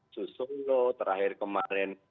susolo terakhir kemarin